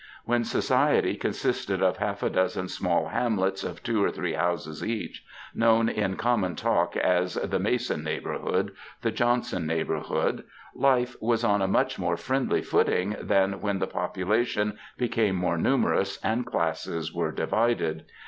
When society consisted of half a dozen small hamlets of two or three houses each, known in common talk as "the Mason Neighbourhood,'' the *^ Johnson Neighbourhood," life was on a much more fnendly footmg than when the population became more numerous and classes were divided.